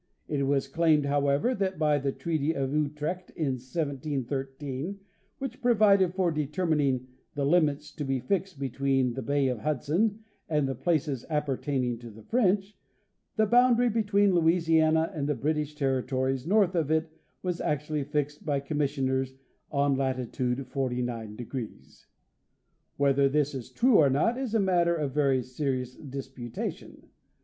It was claimed, however, that by the treaty of Utrecht in 1713, which provided for deter mining " the limits to be fixed between the bay of Hudson and the places appertaining to the French," the boundary between Louisiana and the British territories north of it was actually fixed by commissioners on latitude 49°. Whether this is true or not is a matter of very serious disputation.